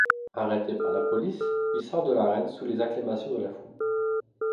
Arrêté par la police il sort de l'arène sous les acclamations de la foule.